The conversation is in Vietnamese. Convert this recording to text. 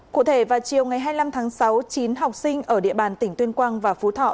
cụ thể vào chiều ngày hai mươi năm tháng sáu chín học sinh ở địa bàn tỉnh tuyên quang và phú thọ